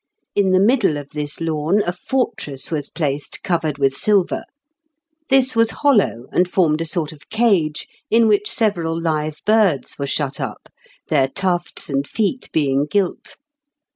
In the middle of this lawn a fortress was placed, covered with silver. This was hollow, and formed a sort of cage, in which several live birds were shut up, their tufts and feet being gilt.